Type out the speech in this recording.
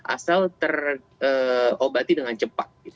asal terobati dengan cepat